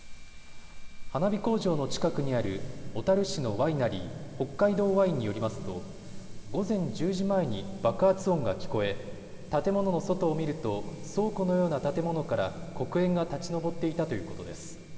花火工場の近くにある小樽市のワイナリー、北海道ワインによりますと午前１０時前に爆発音が聞こえ建物の外を見ると倉庫のような建物から黒煙が立ち上っていたということです。